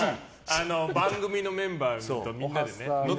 番組のメンバー、みんなでね。